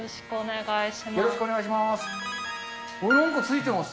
よろしくお願いします。